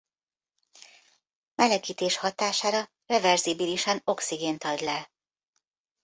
Melegítés hatására reverzibilisen oxigént ad le.